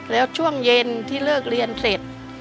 แล้วช่วงเย็นที่เลิกเรียนเสร็จ